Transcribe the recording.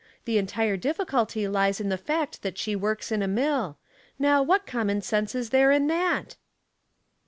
The entire difficulty lies in the fact that she works in a mill. Now, what com mou sense is there in that